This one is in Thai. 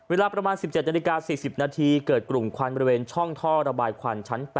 เวลาประมาณ๑๗นาฬิกา๔๐นาทีเกิดกลุ่มควันบริเวณช่องท่อระบายควันชั้น๘